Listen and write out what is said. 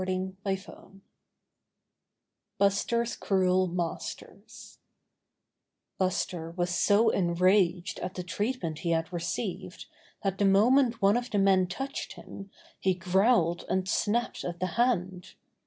4 STORY VI Buster's Cruel Masters Buster was so enraged at the treatment he had received that the moment one of the men touched him he growled and snapped at the hand.